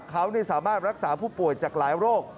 เขาสามารถรักษาผู้ป่วยจากหลายโรค